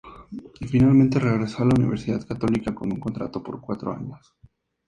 Finalmente regresó a la Universidad Católica con un contrato por cuatro años.